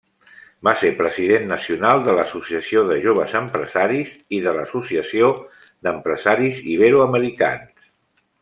Va ser president nacional de l'Associació de Joves Empresaris i de l'Associació d'Empresaris Iberoamericans.